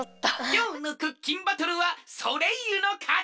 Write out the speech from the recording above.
きょうのクッキンバトルはソレイユのかちじゃ！